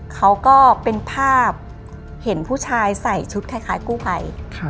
เขาก็เป็นภาพเห็นผู้ชายใส่ชุดคล้ายกู้ภัย